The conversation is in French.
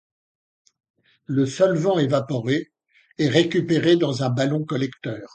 Le solvant évaporé est récupéré dans un ballon collecteur.